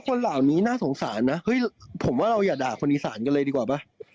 คนเหล่านี้น่าสงสารนะเฮ้ยผมว่าเราอย่าด่าคนอีสานกันเลยดีกว่าป่ะ